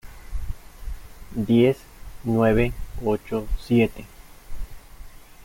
Diez, nueve , ocho , siete...